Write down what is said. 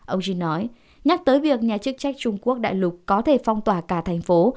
ông jin nói nhắc tới việc nhà chức trách trung quốc đại lục có thể phong tỏa cả thành phố